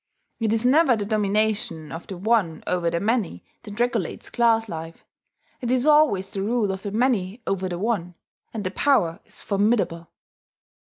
It is never the domination of the one over the many that regulates class life: it is always the rule of the many over the one, and the power is formidable.